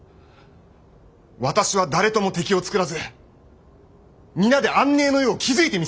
私は誰とも敵を作らず皆で安寧の世を築いてみせます！